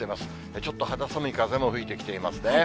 ちょっと肌寒い風も吹いてきていますね。